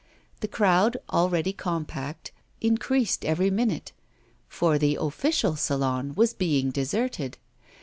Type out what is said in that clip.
The crowd, already compact, increased every minute, for the official Salon was being deserted.